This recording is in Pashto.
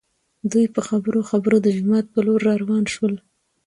دوي په خبرو خبرو د جومات په لور راوان شول.